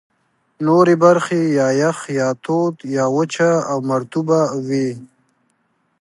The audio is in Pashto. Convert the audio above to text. نورې برخې یا یخ، یا تود، یا وچه او مرطوبه وې.